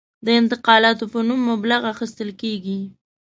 د انتقالاتو په نوم مبلغ اخیستل کېږي.